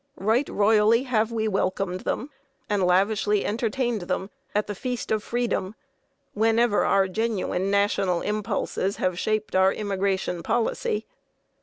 Right royally have we welcomed them, and lavishly entertained them at the feast of freedom, whenever our genuine national impulses have shaped our immigration policy.